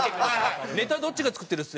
ネタどっちが作ってる？って